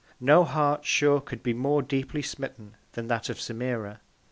No Heart sure could be more deeply smitten than that of Semira.